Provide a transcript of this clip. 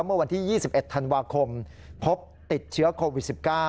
เมื่อวันที่๒๑ธันวาคมพบติดเชื้อโควิด๑๙